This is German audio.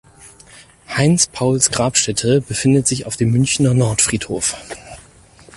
Heinz Pauls Grabstätte befindet sich auf dem Münchner Nordfriedhof.